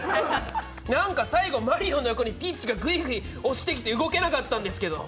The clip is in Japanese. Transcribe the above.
なんか最後マリオの横にピーチがぐいぐい来て動けなかったんですけど。